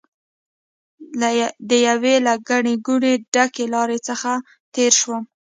د یوې له ګڼې ګوڼې ډکې لارې څخه تېر شوم.